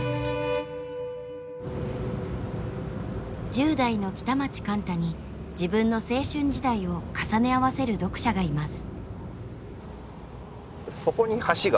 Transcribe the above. １０代の北町貫多に自分の青春時代を重ね合わせる読者がいます。